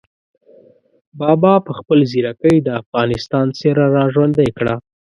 بابا په خپله ځیرکۍ د افغانستان څېره را ژوندۍ کړه.